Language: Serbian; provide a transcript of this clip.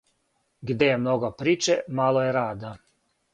Где је много приче мало је рада.